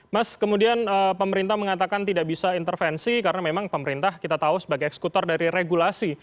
mas kemudian pemerintah mengatakan tidak bisa intervensi karena memang pemerintah kita tahu sebagai eksekutor dari regulasi